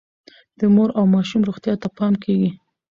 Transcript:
د مور او ماشوم روغتیا ته پام کیږي.